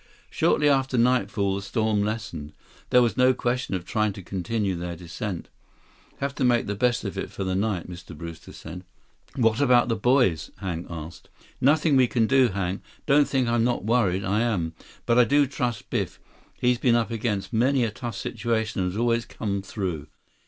Shortly after nightfall, the storm lessened. There was no question of trying to continue their descent. "Have to make the best of it for the night," Mr. Brewster said. "What about the boys?" Hank asked. "Nothing we can do, Hank. Don't think I'm not worried. I am. But I do trust Biff. He's been up against many a tough situation and has always come through.